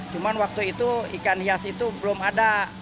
cuma waktu itu ikan hias itu belum ada